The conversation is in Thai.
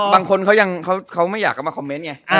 บางคนเขายังเขาไม่อยากเข้ามาคอมเมนต์ไง